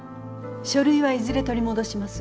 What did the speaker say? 書類はいずれ取り戻します。